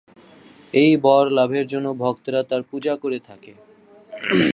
এই বর লাভের জন্য ভক্তেরা তাঁর পূজা করে থাকে।